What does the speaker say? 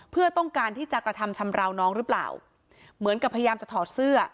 เพื่อต้องการที่จะกระทำชำราวน้องหรือเปล่าเหมือนกับพยายามจะถอดเสื้อ